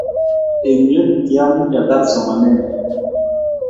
eng' letu kiamuch atar somanet nyu